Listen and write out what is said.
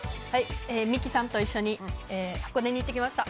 ミキさんと一緒に箱根に行ってきました。